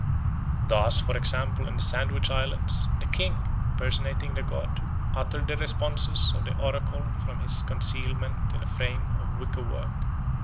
Thus, for example, in the Sandwich Islands, the king, personating the god, uttered the responses of the oracle from his concealment in a frame of wicker work.